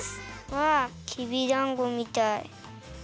きびだんごみたい。